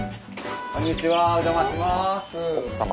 こんにちはお邪魔します。